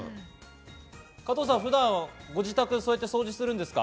加藤さん、普段ご自宅をそうやって掃除するんですか？